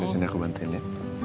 biar sini aku bantuin ya